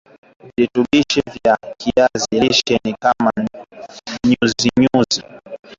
virutubisho vya kiazi lishe ni kama nyuzinyuzi